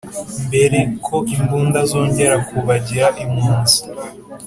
Mbere ko imbunda zongera kubagira impunzi